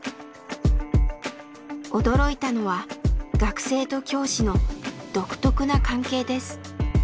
驚いたのは学生と教師の独特な関係です。